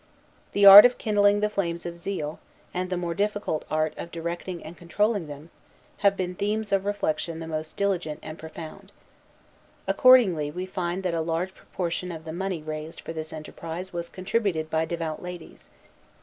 The art of kindling the flames of zeal, and the more difficult art of directing and controlling them, have been themes of reflection the most diligent and profound. Accordingly we find that a large proportion of the money raised for this enterprise was contributed by devout ladies.